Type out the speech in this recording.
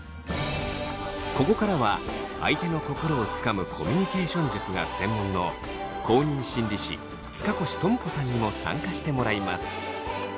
ここからは相手の心をつかむコミュニケーション術が専門の公認心理師塚越友子さんにも参加してもらいます。